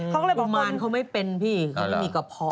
กุมารเขาไม่เป็นพี่เขามีกระเพาะ